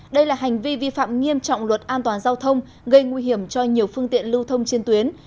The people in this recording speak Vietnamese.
đây là hành vi vi phạm nghiêm trọng luật an toàn giao thông gây nguy hiểm cho nhiều phương tiện lưu thông trên tuyến